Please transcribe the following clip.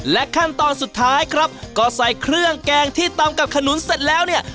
ขั้นตอนสุดท้ายครับก็ใส่เครื่องแกงที่ตำกับขนุนเสร็จแล้วเนี่ย